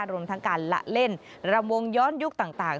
รวมทั้งการละเล่นรำวงย้อนยุคต่าง